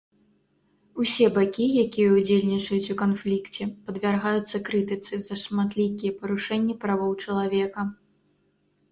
Усе бакі, якія ўдзельнічаюць у канфлікце, падвяргаюцца крытыцы за шматлікія парушэнні правоў чалавека.